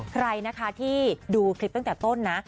ใครนะคะที่ดูคลิปตั้งแต่ต้นนะ